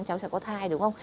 cháu sẽ có thai đúng không